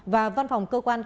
và văn phòng cơ quan kinh tế